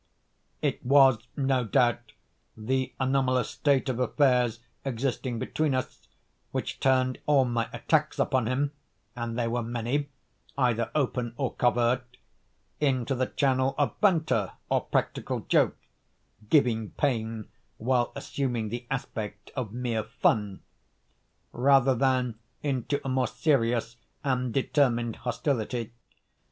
It was no doubt the anomalous state of affairs existing between us, which turned all my attacks upon him, (and they were many, either open or covert) into the channel of banter or practical joke (giving pain while assuming the aspect of mere fun) rather than into a more serious and determined hostility.